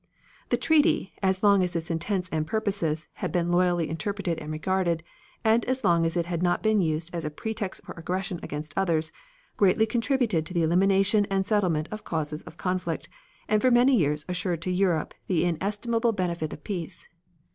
The treaty, as long as its intents and purposes had been loyally interpreted and regarded, and as long as it had not been used as a pretext for aggression against others, greatly contributed to the elimination and settlement of causes of conflict, and for many years assured to Europe the inestimable benefits of peace.